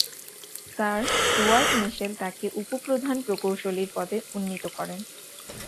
Sir Stuart Mitchell তাঁকে উপ-প্রধান প্রকৌশলীর পদে উন্নীত করেন।